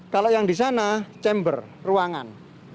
kalau yang di sana chamber ruangan